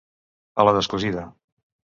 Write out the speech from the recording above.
A la descosida.